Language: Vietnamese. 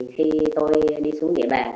khi tôi đi xuống địa bàn